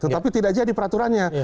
tetapi tidak jadi peraturannya